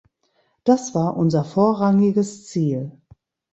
Das war unser vorrangiges Ziel.